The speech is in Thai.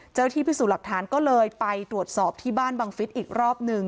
เจ้าที่พิสูจน์หลักฐานก็เลยไปตรวจสอบที่บ้านบังฟิศอีกรอบหนึ่ง